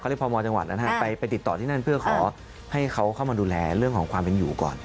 เรียกพมจังหวัดนั้นไปติดต่อที่นั่นเพื่อขอให้เขาเข้ามาดูแลเรื่องของความเป็นอยู่ก่อน